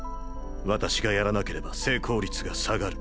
私がやらなければ成功率が下がる。